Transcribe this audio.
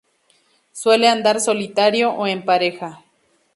Suele andar solitario o en pareja.